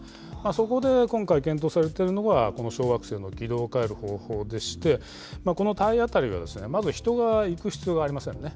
そこで今回、検討されているのが、この小惑星の軌道を変える方法でして、この体当たりがまず、人が行く必要がありませんね。